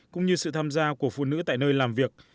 cũng như sự tham gia của phụ nữ tại nơi làm việc